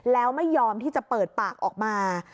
แล้วไม่ยอมที่จะเปิดปากออกมา